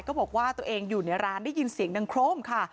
บอกว่าตัวเองอยู่ในร้านได้ยินเสียงดังโครมค่ะ